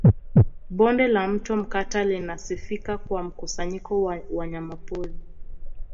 Bonde la Mto Mkata linasifika kwa mkusanyiko wa wanyamapori